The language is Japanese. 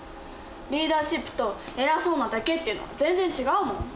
リーダーシップと偉そうなだけっていうのは全然違うもん。